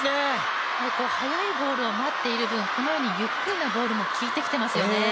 速いボールを待っている分、このようなゆっくりのボールも効いてきてますよね。